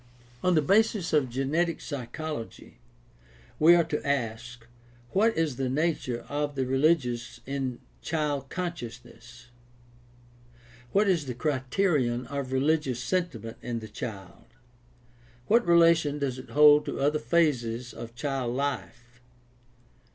— On the basis of genetic psychology we are to ask, What is the nature of the rehgious in child consciousness ? What is the criterion of religious sentiment in the child ? What relation does it hold to other phases of child life